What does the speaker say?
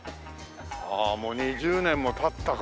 ああもう２０年も経ったか。